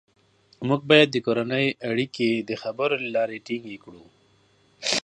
موږ باید د کورنۍ اړیکې د خبرو له لارې ټینګې کړو